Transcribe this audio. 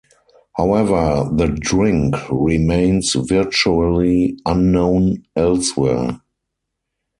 However, the drink remains virtually unknown elsewhere.